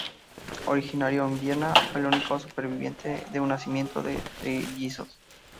Originario de Viena, fue el único superviviente de un nacimiento de trillizos.